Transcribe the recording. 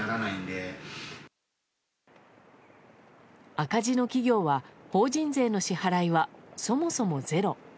赤字の企業は法人税の支払いはそもそもゼロ。